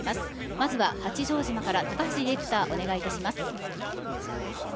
まずは、八丈島から高橋ディレクターお願いいたします。